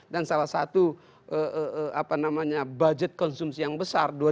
dan salah satu apa namanya budget konsumsi yang besar